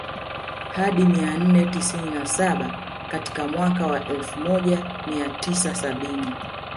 Hadi mia nne sitini na saba katika mwaka elfu moja mia tisa sabini